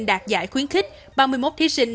đạt giải khuyến khích ba mươi một thí sinh